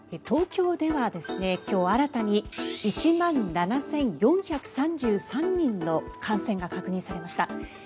東京では、今日新たに１万７４３３人の感染が確認されました。